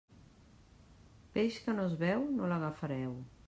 Peix que no es veu, no l'agafareu.